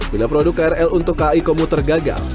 bila produk krl untuk kai komuter gagal